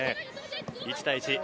１対１。